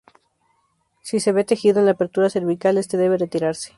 Si se ve tejido en la apertura cervical, este debe retirarse.